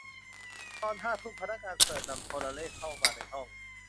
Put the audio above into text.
ตอนห้าทุ่มพนักงานเสิร์ฟนำโทรเลขเข้ามาในห้อง